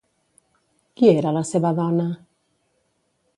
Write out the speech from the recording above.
Qui era la seva dona?